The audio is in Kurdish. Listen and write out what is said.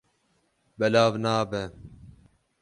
Belav nabe.